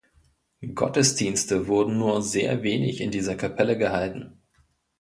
Gottesdienste wurden nur sehr wenig in dieser Kapelle gehalten.